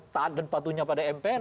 taat dan patuhnya pada mpr